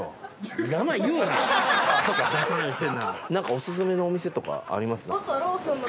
お薦めのお店とかあります？